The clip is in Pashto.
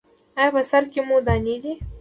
ایا په سر کې مو دانې دي؟